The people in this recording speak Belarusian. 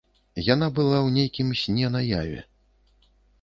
Яна была ў нейкім сне наяве.